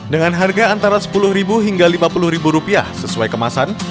dengan harga antara sepuluh hingga rp lima puluh sesuai kemasan